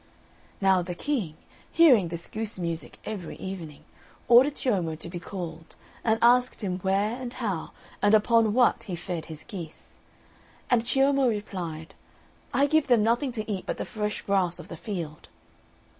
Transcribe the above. Now the King, hearing this goose music every evening, ordered Ciommo to be called, and asked him where, and how, and upon what he fed his geese. And Ciommo replied, "I give them nothing to eat but the fresh grass of the field."